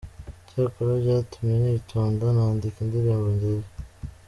Cyakora byatumye nitonda nandika indirimbo nziza.